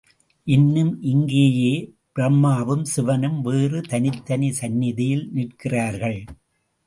இன்னும் இங்கேயே பிரம்மாவும் சிவனும் வேறே தனித் தனி சந்நிதியில் நிற்கிறார்கள்.